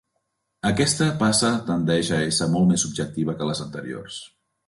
Aquesta passa tendeix a ésser molt més subjectiva que les anteriors.